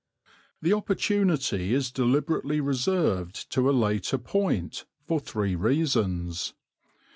The opportunity is deliberately reserved to a later point for three reasons.